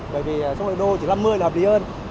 bởi vì trong nội đô thì năm mươi là hợp lý hơn